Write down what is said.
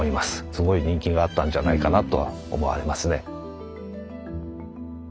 すごい人気があったんじゃないかなとは思われますね。